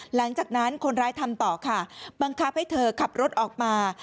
หลังจากนั้นคนร้ายทำต่อค่ะบังคับให้เธอขับรถออกมา